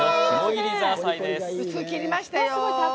薄く切りましたよ。